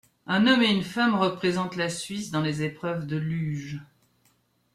Un homme et une femme représentent la Suisse dans les épreuves de luge.